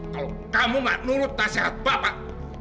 kalau kamu tidak menurut nasihat bapak